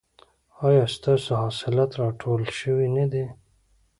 ایا ستاسو حاصلات راټول شوي نه دي؟